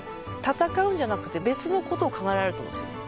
戦うんじゃなくて別のことを考えられると思うんですよね。